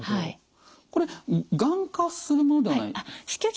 これがん化するものではない。